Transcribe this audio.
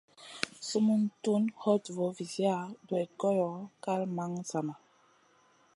Sumun tun hoɗ voo viziya duwayd goyo, kal man zama.